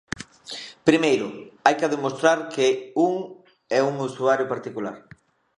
Primeiro, hai que demostrar que un é un usuario particular.